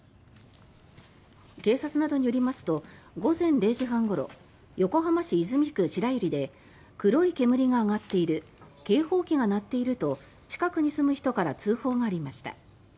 警察などによりますと午前０時半ごろ横浜市泉区白百合で黒い煙が上がっている警報器が鳴っていると、近くに住む人から通報がありました。